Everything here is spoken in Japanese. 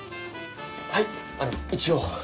はいあの一応。